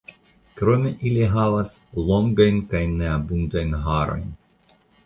Krome ili havas longajn kaj neabundajn harojn.